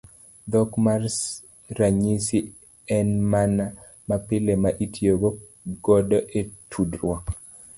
Dhok mar ranyisi en mano mapile ma itiyo godo e tudruok.